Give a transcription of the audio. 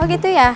oh gitu ya